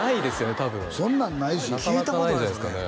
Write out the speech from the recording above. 多分そんなんないし聞いたことないですよね